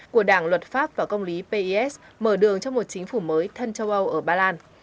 của đảng luật pháp và công lý pes mở đường cho một chính phủ mới thân châu âu ở ba lan